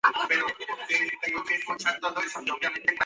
Los sectores no fueron marcados secuencialmente, sino por importancia.